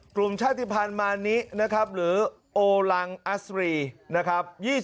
กลุ่มชาติภัณฑ์มานินะครับหรือโอลังอัสรีนะครับ